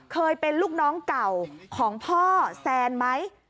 เคยเป็นลูกน้องเก่าของพ่อแซนไหม